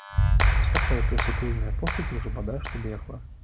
Высокая і прысутуленая постаць ужо бадай што бегла.